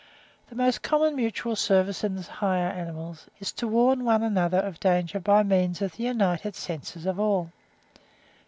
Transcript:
The most common mutual service in the higher animals is to warn one another of danger by means of the united senses of all.